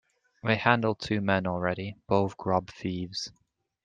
They handled two men already, both grub-thieves.